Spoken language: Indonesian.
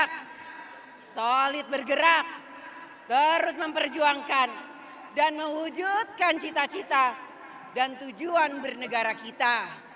kita solid bergerak terus memperjuangkan dan mewujudkan cita cita dan tujuan bernegara kita